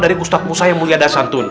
dari gustaf musa yang mulia dasantun